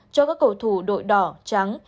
cho các cầu thủ đội đỏ trắng